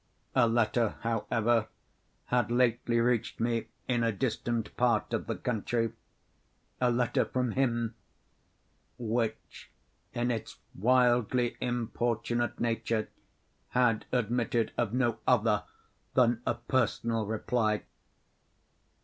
A letter, however, had lately reached me in a distant part of the country—a letter from him—which, in its wildly importunate nature, had admitted of no other than a personal reply.